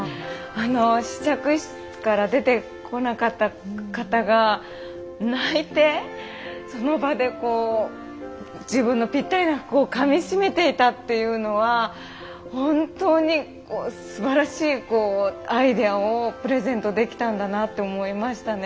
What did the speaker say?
あの試着室から出てこなかった方が泣いてその場でこう自分のぴったりな服をかみしめていたっていうのは本当にすばらしいアイデアをプレゼントできたんだなって思いましたね。